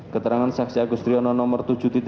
keterangan saksi agustriono nomor tujuh belas